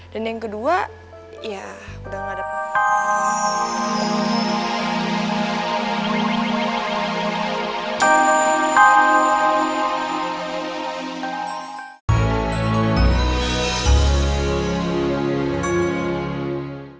dan yang kedua ya udah gak ada